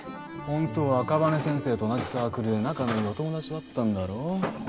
ホントは赤羽先生と同じサークルで仲の良いお友達だったんだろう？